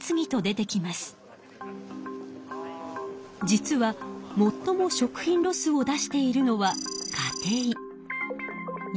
実はもっとも食品ロスを出しているのは家庭。